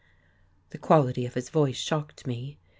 The quality of his voice shocked me.